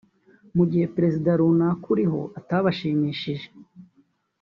mu gihe Perezida runaka uriho atabashimishije